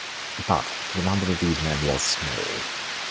But the number of these men was small.